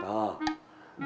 saat dia disini nih